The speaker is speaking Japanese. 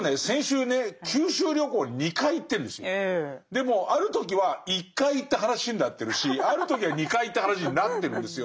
でもある時は１回行った話になってるしある時は２回行った話になってるんですよ。